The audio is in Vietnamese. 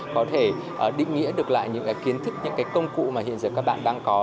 có thể định nghĩa được lại những kiến thức những công cụ mà hiện giờ các bạn đang có